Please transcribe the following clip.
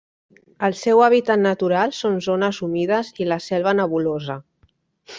El seu hàbitat natural són zones humides i la selva nebulosa.